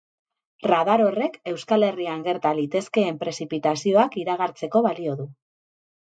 Radar horrek Euskal Herrian gerta litezkeen prezipitazioak iragartzeko balio du.